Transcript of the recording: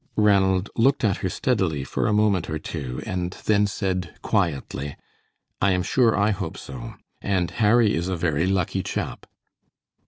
Ranald looked at her steadily for a moment or two, and then said, quietly, "I am sure I hope so, and Harry is a very lucky chap."